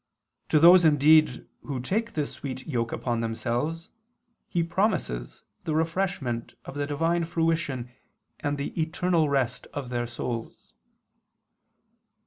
To those indeed who take this sweet yoke upon themselves He promises the refreshment of the divine fruition and the eternal rest of their souls.